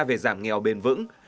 về giảm nghèo bền vững